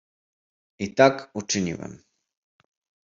"I tak uczyniłem."